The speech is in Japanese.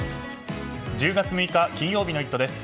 １０月６日、金曜日の「イット！」です。